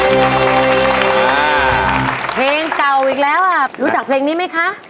เพลงเก่าอีกแล้วอ่ะรู้จักเพลงนี้ไหมคะ